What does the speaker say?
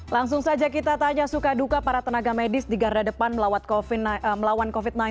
langsung saja kita tanya suka duka para tenaga medis di garda depan melawan covid sembilan belas